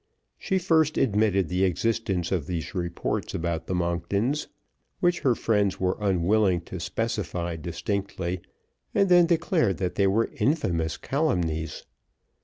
She first admitted the existence of these reports about the Monktons which her friends were unwilling to specify distinctly, and then declared that they were infamous calumnies.